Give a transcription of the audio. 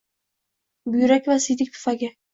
Buyrak va siydik pufagi;